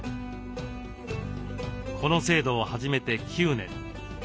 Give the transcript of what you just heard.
この制度を始めて９年。